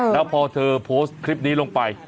แล้วพอเธอโพสต์คลิปนี้ลงไป